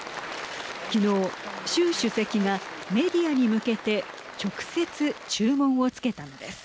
昨日、習主席がメディアに向けて直接、注文をつけたのです。